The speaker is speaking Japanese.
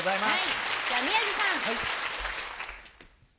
はい！